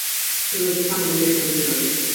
He was the son of American missionaries.